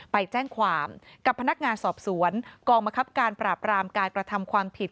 ไปแจ้งความกับพนักงานสอบสวนกองบังคับการปราบรามการกระทำความผิด